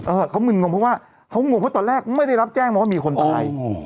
เออเขามึนงงเพราะว่าเขางงเพราะตอนแรกไม่ได้รับแจ้งมาว่ามีคนตาย